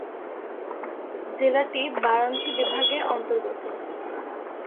জেলাটি বারাণসী বিভাগের অন্তর্গত।